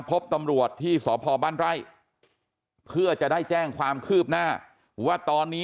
พบตำรวจที่สพบ้านไร่เพื่อจะได้แจ้งความคืบหน้าว่าตอนนี้